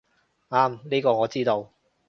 啱，呢個我知道